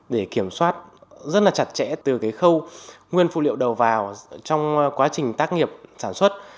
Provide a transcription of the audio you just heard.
để kiểm soát rất là chặt chẽ từ cái khâu nguyên phụ liệu đầu vào trong quá trình tác nghiệp sản xuất